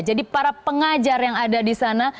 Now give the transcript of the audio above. jadi para pengajar yang ada di sana